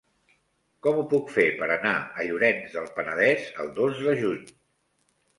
Com ho puc fer per anar a Llorenç del Penedès el dos de juny?